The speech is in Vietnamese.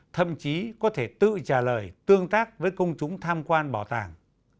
thậm chí có thể tự trả lời tương tác với công chúng tham quan bảo tàng